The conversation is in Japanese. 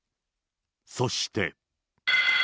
そして。